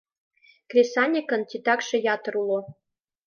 Кресаньыкын титакше ятыр уло.